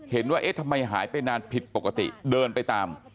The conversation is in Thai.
เห็นว่าเอ๊ะทำไมหายไปนานผิดปกติเดินไปตาม